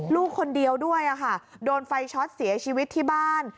ลูกคนเดียวด้วยค่ะโดนไฟช็อตเสียชีวิตที่บ้าน